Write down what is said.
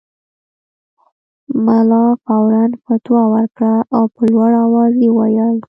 ملا فوراً فتوی ورکړه او په لوړ اواز یې وویل.